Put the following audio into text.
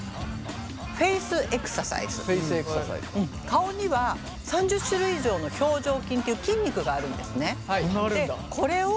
顔には３０種類以上の表情筋っていう筋肉があるんですね。